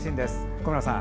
小村さん